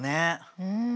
うん。